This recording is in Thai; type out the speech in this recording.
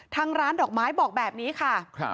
ทางร้านดอกไม้บอกแบบนี้ค่ะ